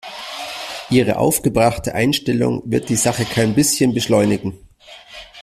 Ihre aufgebrachte Einstellung wird die Sache kein bisschen beschleunigen.